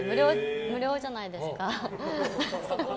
無料じゃないですか。